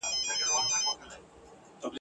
تاریخ ئې لا اوس هم ورک دئ.